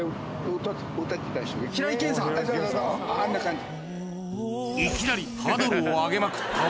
あんな感じ